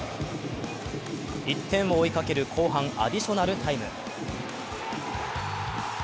１点を追いかける後半アディショナルタイム。